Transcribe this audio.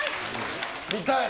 見たい！